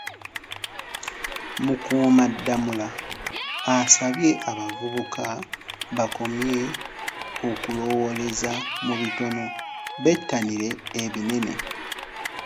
Mukuumaddamula asabye abavubuka bakomye okulowooleza mu bitono bettanire ebinene